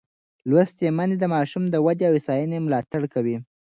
لوستې میندې د ماشوم د ودې او هوساینې ملاتړ کوي.